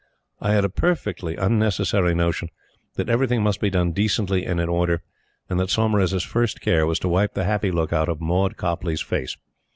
I had a perfectly unnecessary notion that everything must be done decently and in order, and that Saumarez's first care was to wipe the happy look out of Maud Copleigh's face.